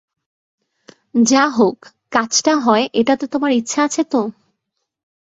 যা হোক, কাজটা হয় এটাতে তোমার ইচ্ছা আছে তো?